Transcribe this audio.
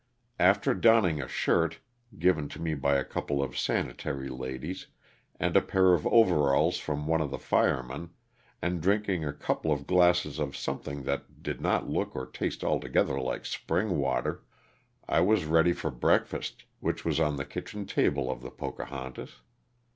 After donning a shirt (given to me by a couple of " Sanitary" ladies) and a pair of overalls from one of the firemen, and drinking a couple of glasses of something that did not look or taste altogether like spring water, I was ready for breakfast, which was on the kitchen table of the "Pocahontas."